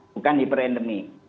bukan hiper endemi